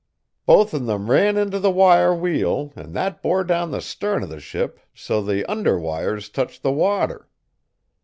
Both on 'em ran into the wire wheel an' that bore down the stern o' the ship so the under wires touched the water.